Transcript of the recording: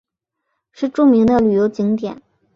是著名的旅游景点。